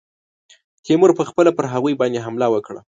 تیمور پخپله پر هغوی باندي حمله وکړه.